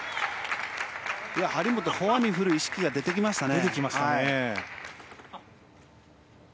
張本、フォアに振る意識が出てきましたね。